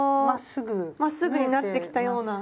まっすぐになってきたようなはい。